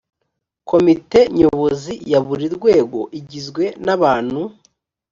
komite nyobozi ya buri rwego igizwe n abantu